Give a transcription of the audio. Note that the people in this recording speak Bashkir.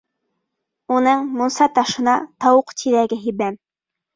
— Уның мунса ташына тауыҡ тиҙәге һибәм.